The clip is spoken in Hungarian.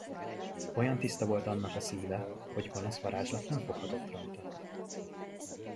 Olyan tiszta volt annak a szíve, hogy gonosz varázslat nem foghatott rajta.